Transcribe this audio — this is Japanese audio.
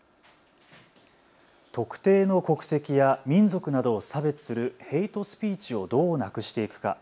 特定の国籍や民族などを差別するヘイトスピーチをどうなくしていくか。